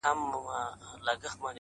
هره څپه یې ورانوي د بګړۍ ولونه!!